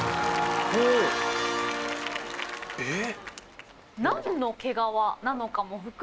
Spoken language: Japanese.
えっ？